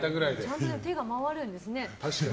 ちゃんと手が回るんですね。